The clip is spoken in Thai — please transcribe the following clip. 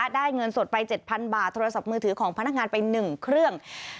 ได้เงินสดไป๗๐๐บาทโทรศัพท์มือถือของพนักงานไป๑เครื่อง